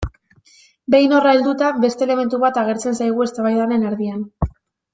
Behin horra helduta, beste elementu bat agertzen zaigu eztabaidaren erdian.